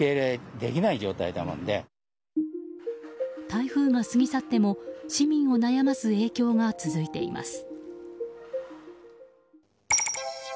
台風が過ぎ去っても市民を悩ます影響が続いています。